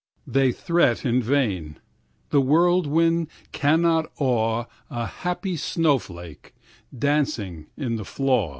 13They threat in vain; the whirlwind cannot awe14A happy snow flake dancing in the flaw.